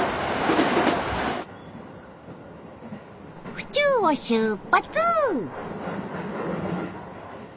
府中を出発！